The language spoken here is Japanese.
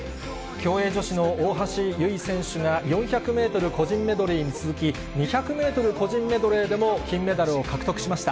競泳女子の大橋悠依選手が、４００メートル個人メドレーに続き、２００メートル個人メドレーでも金メダルを獲得しました。